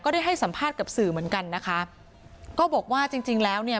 ได้ให้สัมภาษณ์กับสื่อเหมือนกันนะคะก็บอกว่าจริงจริงแล้วเนี่ย